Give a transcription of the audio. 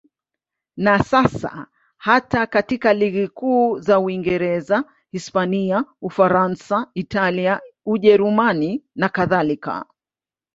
Na sasa hata katika ligi kuu za Uingereza, Hispania, Ufaransa, Italia, Ujerumani nakadhalika.